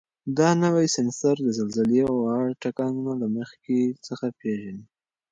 دا نوی سینسر د زلزلې واړه ټکانونه له مخکې څخه پېژني.